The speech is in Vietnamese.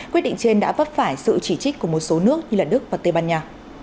quyết định trên đã vấp phải sự chỉ trích của một số nước như đức và tây ban nha